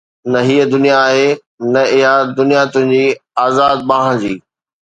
نه هيءَ دنيا آهي نه اها دنيا تنهنجي آزاد ٻانهن جي